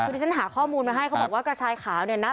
คือที่ฉันหาข้อมูลมาให้เขาบอกว่ากระชายขาวเนี่ยนะ